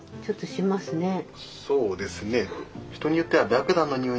そうですね。